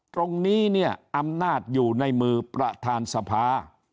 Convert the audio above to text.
ตรงนี้เนี่ยอำนาจอยู่ในมือประธานสภา